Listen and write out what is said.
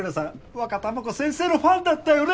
ワカタマコ先生のファンだったよね？